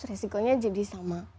resikonya jadi sama